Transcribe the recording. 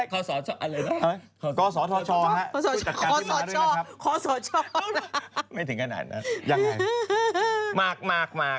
ครอสาชอว